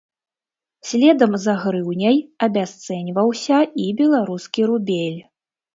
Следам за грыўняй абясцэньваўся і беларускі рубель.